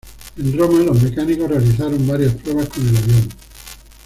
En Roma, los mecánicos realizaron varias pruebas con el avión.